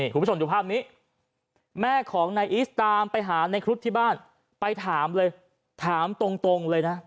คุณผู้ชมดูภาพนี้แม่ของนายอีสตามไปหาในครุฑที่บ้านไปถามเลยถามตรงเลยนะ